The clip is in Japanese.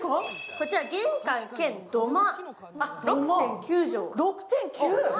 こちら玄関兼土間、６．９畳。